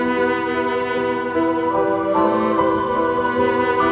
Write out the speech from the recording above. ya sudah lestri